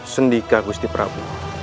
sendika gusti prabu